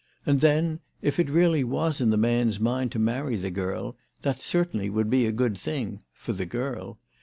And then, if it really was in the man's mind to marry the girl, that certainly would be a good thing, for the girl.